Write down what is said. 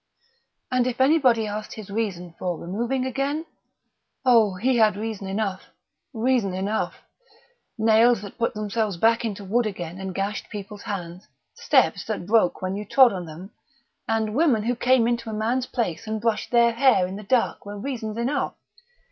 And if anybody asked his reason for removing again? Oh, he had reason enough reason enough! Nails that put themselves back into wood again and gashed people's hands, steps that broke when you trod on them, and women who came into a man's place and brushed their hair in the dark, were reasons enough!